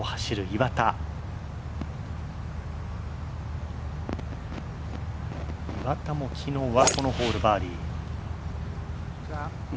岩田も昨日はこのホールバーディー。